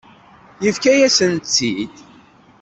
Yefka-yasent-tt-id.